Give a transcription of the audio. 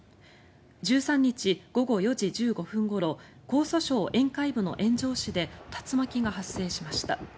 １３日午後４時１５分ごろ江蘇省沿海部の塩城市で竜巻が発生しました。